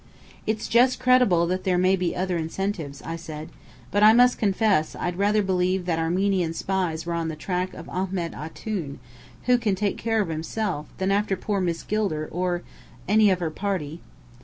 "It's just credible that there may be other incentives," I said. "But I must confess, I'd rather believe that Armenian spies were on the track of Ahmed Antoun, who can take care of himself, than after poor Miss Gilder or any of her party."